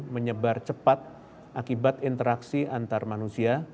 menyebar cepat akibat interaksi antar manusia